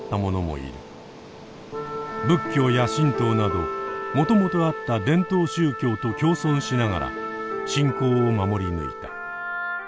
仏教や神道などもともとあった伝統宗教と共存しながら信仰を守り抜いた。